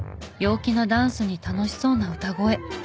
陽気なダンスに楽しそうな歌声。